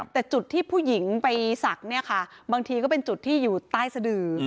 แต่จุดที่ผู้หญิงไปศักดิ์เนี่ยค่ะบางทีก็เป็นจุดที่อยู่ใต้สะดือ